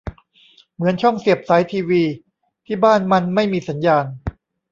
เหมือนช่องเสียบสายทีวี ที่บ้านมันไม่มีสัญญาณ